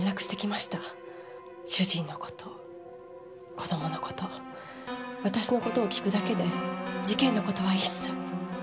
主人の事子供の事私の事を聞くだけで事件の事は一切。